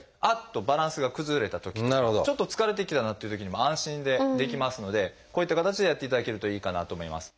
とバランスが崩れたときとかちょっと疲れてきたなっていうときにも安心でできますのでこういった形でやっていただけるといいかなと思います。